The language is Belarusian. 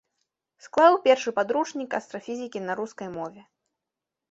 Склаў першы падручнік астрафізікі на рускай мове.